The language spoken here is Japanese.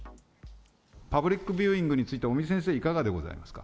パブリックビューイングについて尾身先生、いかがでございますか。